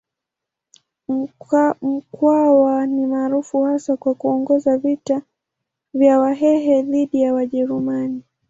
Mkwawa ni maarufu hasa kwa kuongoza vita vya Wahehe dhidi ya Wajerumani.